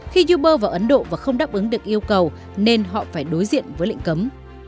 khi uber vào ấn độ và không đáp ứng được yêu cầu nên họ phải đối diện với lệnh cấm